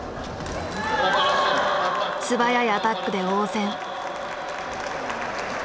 素早いアタックで応戦。